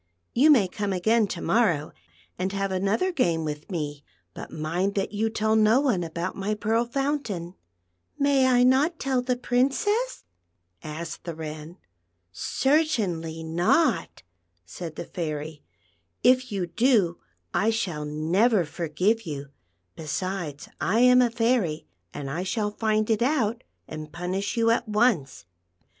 You may come again to morrow and have another game with me, but mind that you tell no one about my Pearl Fountain." " May I not tell the Princess }" asked the Wren. "Certainly not," said the Fairy ;" if \'ou do, I shall never forgive you ; besides, I am a fairy, and I shall find it out and punish you at once."